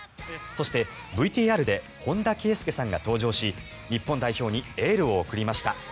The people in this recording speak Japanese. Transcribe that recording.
そして、ＶＴＲで本田圭佑さんが登場し日本代表にエールを送りました。